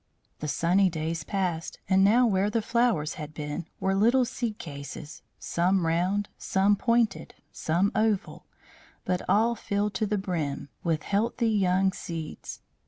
The sunny days passed, and now where the flowers had been were little seed cases; some round, some pointed, some oval, but all filled to the brim with healthy young seeds.